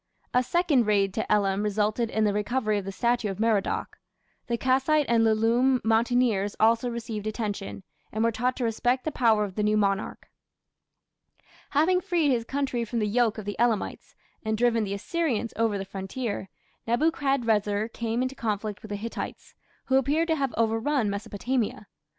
A second raid to Elam resulted in the recovery of the statue of Merodach. The Kassite and Lullume mountaineers also received attention, and were taught to respect the power of the new monarch. Having freed his country from the yoke of the Elamites, and driven the Assyrians over the frontier, Nebuchadrezzar came into conflict with the Hittites, who appear to have overrun Mesopotamia.